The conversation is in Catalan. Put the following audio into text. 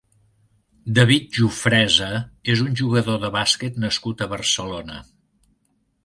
David Jofresa és un jugador de bàsquet nascut a Barcelona.